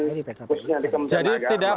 di kementerian agama jadi tidak